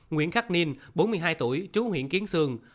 nguyễn khắc ninh bốn mươi hai tuổi chú huyện kiến sương